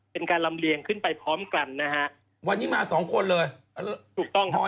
เป็นการลำเลียงขึ้นไปพร้อมกันนะฮะวันนี้มาสองคนเลยถูกต้องฮะ